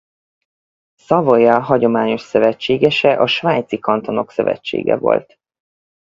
Savoya hagyományos szövetségese a svájci kantonok szövetsége volt.